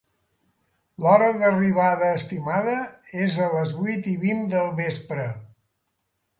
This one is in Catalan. L'hora d'arribada estimada és a les vuit i vint del vespre.